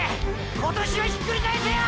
今年はひっくり返せヨ！！